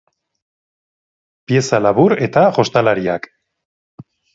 Pieza labur eta jostalariak.